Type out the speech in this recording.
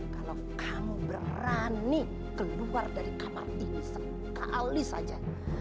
kalau kamu berani keluar dari kamar ini sekali saja